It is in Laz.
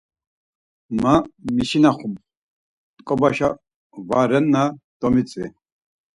Mo mişinaxum, t̆ǩobaşa va renna domitzvi.